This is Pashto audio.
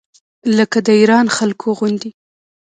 لکه د ایران خلکو غوندې.